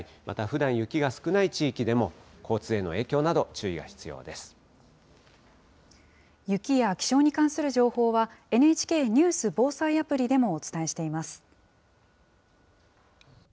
またふだん雪が少ない地域でも、交通への影響など、注意が必要で雪や気象に関する情報は、ＮＨＫニュース・防災アプリでもお伝えしています。